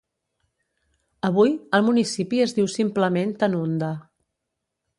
Avui, el municipi es diu simplement Tanunda.